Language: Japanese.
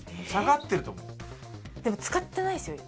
でも使ってないですよ